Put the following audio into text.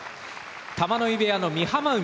玉ノ井部屋の美浜海さん。